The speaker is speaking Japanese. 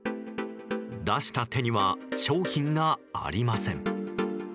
出した手には商品がありません。